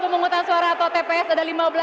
pemungutan suara atau tps ada lima belas